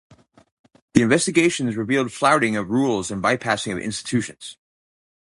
The investigations revealed flouting of rules and bypassing of institutions.